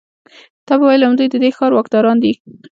تا به ویل همدوی د دې ښار واکداران دي.